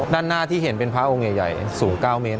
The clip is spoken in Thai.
ด้านหน้าที่เห็นเป็นพระองค์ใหญ่สูง๙เมตร